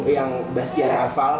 yang bastian rafal